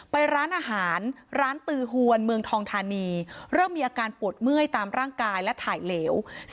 ไปร้านอาหารร้านตือหวนเมืองทองทานีเริ่มมีอาการปวดเมื่อยตามร่างกายและถ่ายเหลว